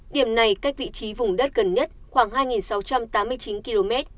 điểm này cách vị trí vùng đất gần nhất khoảng hai sáu trăm tám mươi chín km